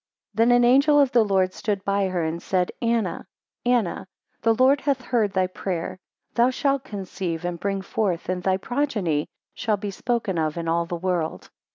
THEN an angel of the Lord stood by her and said, Anna, Anna, the Lord hath heard thy prayer; thou shalt conceive and bring forth, and thy progeny shall be spoken of in all the world.